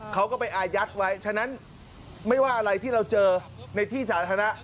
เขาก็ไปอายัดไว้ฉะนั้นไม่ว่าอะไรที่เราเจอในที่สาธารณะ